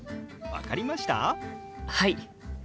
はい。